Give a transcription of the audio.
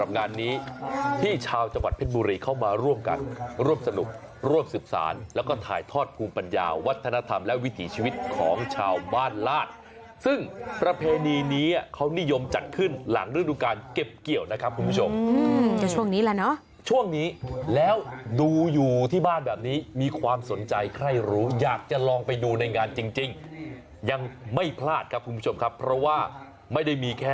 ในบุรีเข้ามาร่วมกันร่วมสนุกร่วมศึกษาแล้วก็ถ่ายทอดภูมิปัญญาวัฒนธรรมและวิถีชีวิตของชาวบ้านลาดซึ่งประเพณีนี้เขานิยมจัดขึ้นหลังเรื่องดูการเก็บเกี่ยวนะครับคุณผู้ชมช่วงนี้แล้วเนอะช่วงนี้แล้วดูอยู่ที่บ้านแบบนี้มีความสนใจใครรู้อยากจะลองไปดูในงานจริงยังไม่พลาดครับค